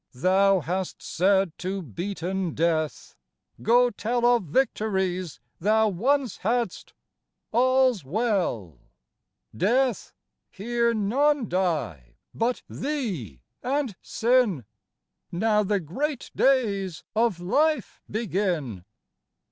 Thou hast said to beaten Death : Go tell Of victories thou once hadst. All's well I FLOWER OF YOUTH Death, here none die but thee and Sin Now the great days of Life begin.